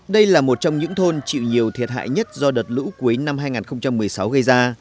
đây là một trong những thôn chịu nhiều thiệt hại nhất do đợt lũ cuối năm hai nghìn một mươi sáu gây ra